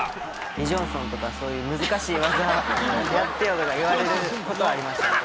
リ・ジョンソンとかそういう難しい技やってよとか言われることはありました。